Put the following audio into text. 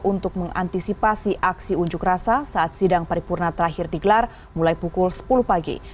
untuk mengantisipasi aksi unjuk rasa saat sidang paripurna terakhir digelar mulai pukul sepuluh pagi